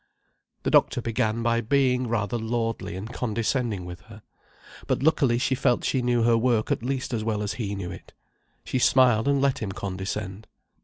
The doctor began by being rather lordly and condescending with her. But luckily she felt she knew her work at least as well as he knew it. She smiled and let him condescend.